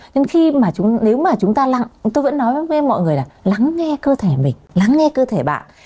nhưng khi mà nếu mà chúng ta lặng tôi vẫn nói với mọi người là lắng nghe cơ thể mình lắng nghe cơ thể bạn